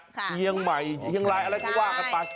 เชียงใหม่เชียงรายอะไรก็ว่ากันไป